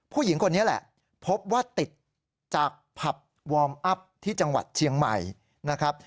ผู้หญิงคนนี้แหละพบว่าติดจากผับวอร์มอัพที่จังหวัดเชียงใหม่นะครับ